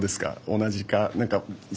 同じか。